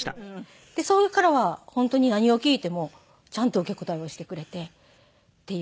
それからは本当に何を聞いてもちゃんと受け答えをしてくれてっていう。